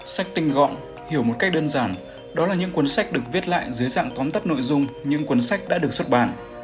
sách tinh gọn hiểu một cách đơn giản đó là những cuốn sách được viết lại dưới dạng tóm tắt nội dung những cuốn sách đã được xuất bản